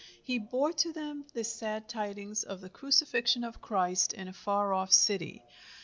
He bore to them the sad tidings of the crucifixion of Christ in a far off city.